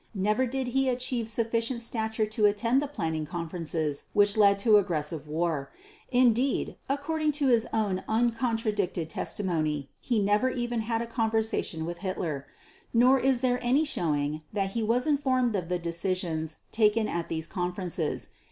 Never did he achieve sufficient stature to attend the planning conferences which led to aggressive war; indeed according to his own uncontradicted testimony he never even had a conversation with Hitler. Nor is there any showing that he was informed of the decisions taken at these conferences.